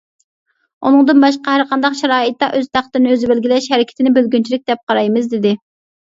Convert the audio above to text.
ئۇنىڭدىن باشقا ھەرقانداق شارائىتتا «ئۆز تەقدىرىنى ئۆزى بەلگىلەش» ھەرىكىتىنى بۆلگۈنچىلىك دەپ قارايمىز، دېدى.